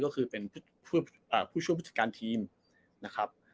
ก็คือเป็นอ่าผู้ช่วยพฤศกาลทีมนะครับ